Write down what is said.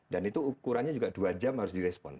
dan itu ukurannya juga dua jam harus di respon